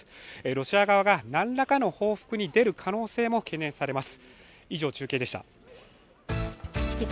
ロシア側が何らかの報復に出る可能性も懸念されます。